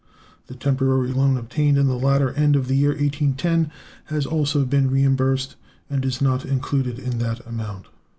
The temporary loan obtained in the latter end of the year 1810 has also been reimbursed, and is not included in that amount.